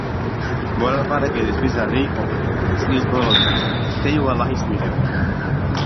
მოლაპარაკებების მიზანი იყო წლის ბოლოსთვის „ვიზის ლიბერალიზაციის სამოქმედო გეგმის“ მიღება.